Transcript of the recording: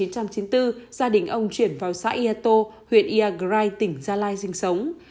năm một nghìn chín trăm chín mươi bốn gia đình ông chuyển vào xã yato huyện yagrai tỉnh gia lai sinh sống